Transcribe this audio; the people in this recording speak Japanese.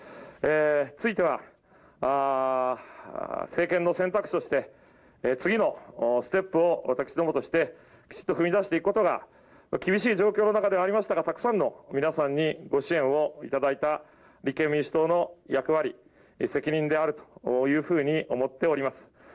ついては政権の選択肢として次のステップを私どもとして、きちっと踏み出していくことが厳しい状況の中ではありましたがたくさんの皆さんにご支援をいただいた立憲民主党の役割、責任であるというふうに思っております。